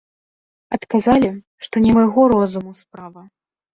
Адказалі, што не майго розуму справа.